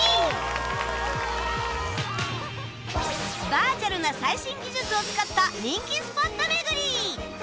バーチャルな最新技術を使った人気スポット巡り！